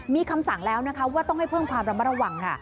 มีคำสั่งแล้วนะคะว่าต้องให้เพิ่มความระมัดระวังค่ะ